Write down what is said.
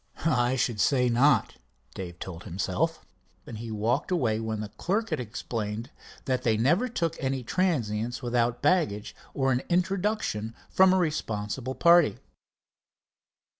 "I should say not!" Dave told himself, and he walked away when the clerk had explained that they never took in transients without baggage or an introduction from a responsible party.